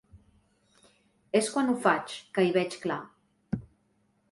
És quan ho faig que hi veig clar.